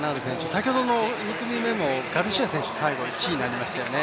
先ほどの２組目もガルシア選手、最後１位になりましたよね。